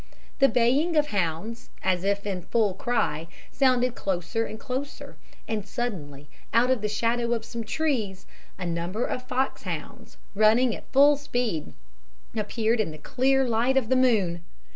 The baying of hounds, as if in 'full cry,' sounded closer and closer, and suddenly, out of the shadow of some trees, a number of foxhounds, running at full speed, appeared in the clear light of the moon.